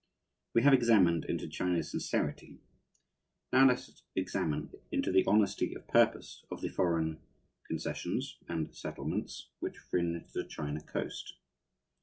We have examined into China's sincerity, now let us examine into the honesty of purpose of the foreign "concessions" and "settlements" which fringe the China Coast.